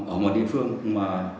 ở một địa phương mà